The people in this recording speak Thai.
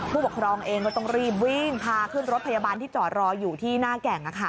ผู้ปกครองเองก็ต้องรีบวิ่งพาขึ้นรถพยาบาลที่จอดรออยู่ที่หน้าแก่ง